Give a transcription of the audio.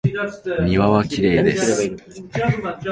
庭はきれいです。